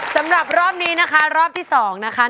สำหรับรอบนี้นะคะรอบที่๒นะคะ